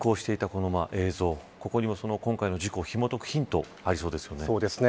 ここには今回の事故をひも解くヒントがありそうですね。